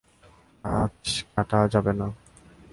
গাছ কাটা যাবে না।